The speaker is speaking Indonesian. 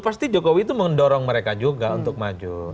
pasti jokowi itu mendorong mereka juga untuk maju